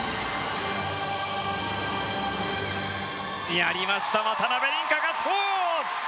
やりました、渡辺倫果ガッツポーズ！